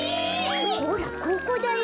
ほらここだよ。